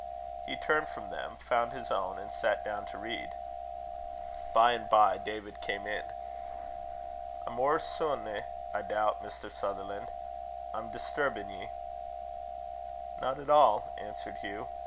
He turned from them, found his own, and sat down to read. By and by David came in. "I'm ower sune, I doubt, Mr. Sutherlan'. I'm disturbin' ye." "Not at all," answered Hugh.